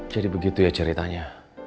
jadi begitu ya ceritanya